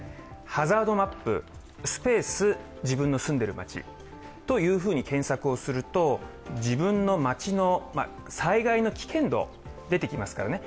ハザードマップ、スペース、自分の住んでいるまちと検索をすると、自分の町の災害の危険度が出てきますからね